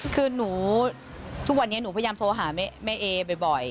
คือหนูทุกวันนี้หนูพยายามโทรหาแม่เอบ่อย